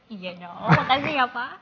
iya dong makasih ya pak